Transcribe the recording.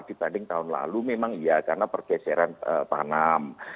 dibanding tahun lalu memang iya karena pergeseran tanam